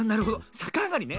さかあがりね。